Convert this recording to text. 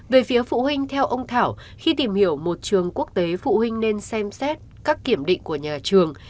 về phía phụ huynh theo ông thảo khi tìm hiểu một trường quốc tế phụ huynh nên xem xét các kiểm định của nhà trường